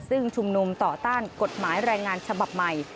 ซึ่งชุมนุมต่อต้านกฎหมายแรงงานฉบับใหม่